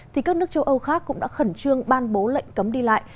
thì các nước châu âu khác cũng đã khẩn trương ban bố lệnh cấm đi lại